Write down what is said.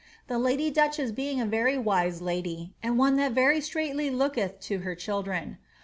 The lady duchess being a very wise lady, and one that very ttraightly looketh to her children.